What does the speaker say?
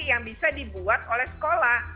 yang bisa dibuat oleh sekolah